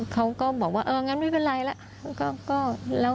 เขาก็บอกว่าเอองั้นไม่เป็นไรแล้ว